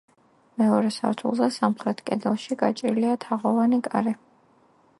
მეორე სართულზე, სამხრეთ კედელში გაჭრილია თაღოვანი კარი.